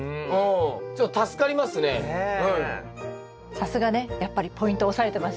さすがねやっぱりポイント押さえてますよね。